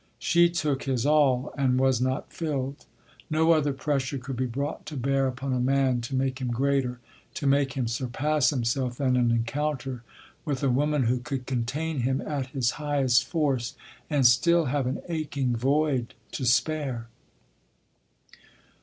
She took his all and was not filled. No other pressure could be brought to bear upon a man to make him greater, to make him surpass himself, than an encounter with a woman who could contain him at his highest force, and still have an aching void to spare.